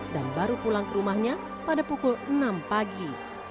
dan baru pulang ke rumahnya pada pukul enam pagi